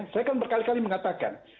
saya kan berkali kali mengatakan